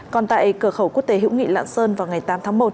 còn tại cửa khẩu quốc tế hữu nghị lạng sơn vào ngày tám tháng một